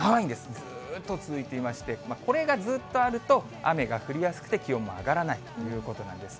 ずーっと続いていまして、これがずっとあると、雨が降りやすくて気温も上がらないということなんです。